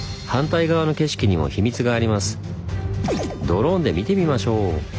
ドローンで見てみましょう。